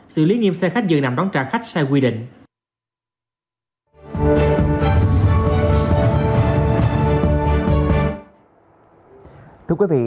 xử lý nghiêm xe khách dường nằm đón trả khách sai quy định